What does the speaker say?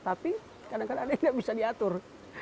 tapi kadang kadang ada yang tidak bisa diatur